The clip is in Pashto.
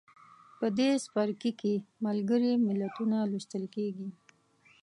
په دې څپرکي کې ملګري ملتونه لوستل کیږي.